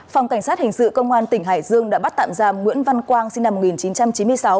phòng cảnh sát hình sự công an tỉnh hải dương đã bắt tạm giam nguyễn văn quang sinh năm một nghìn chín trăm chín mươi sáu